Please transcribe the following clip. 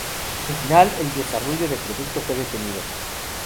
Al final, el desarrollo de producto fue detenido.